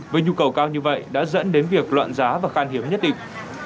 với nhu cầu cao như vậy đã dẫn đến việc loạn giá và khan hiếm nhất định